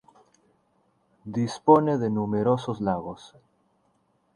Dispone de numerosos lagos.